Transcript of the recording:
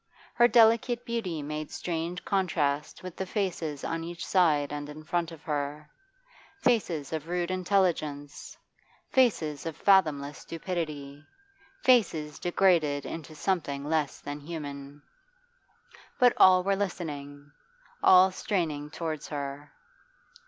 Her delicate beauty made strange contrast with the faces on each side and in front of her faces of rude intelligence, faces of fathomless stupidity, faces degraded into something less than human. But all were listening, all straining towards her.